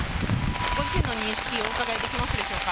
ご自身の認識をお伺いできますでしょうか？